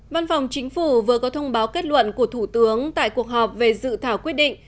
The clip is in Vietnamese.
văn phòng chính phủ vừa có thông báo kết luận của thủ tướng tại cuộc họp về dự thảo quyết định